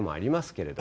けれど